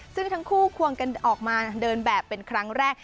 ซึ่งทั้งคู่ควงกันออกมาเดินแบบเป็นครั้งแรก